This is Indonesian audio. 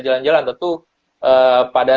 jalan jalan tentu pada